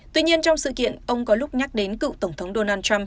tuy nhiên trong sự kiện ông có lúc nhắc đến cựu tổng thống donald trump